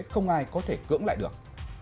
không ai có thể cưỡng lại được